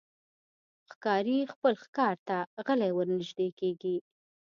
ښکاري خپل ښکار ته غلی ورنژدې کېږي.